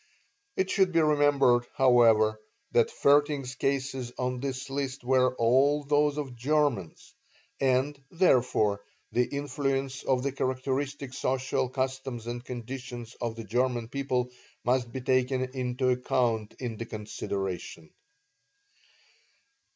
It should be remembered, however, that Vaerting's cases on his list were all those of Germans, and, therefore, the influence of the characteristic social customs and conditions of the German people must be taken into account in the consideration.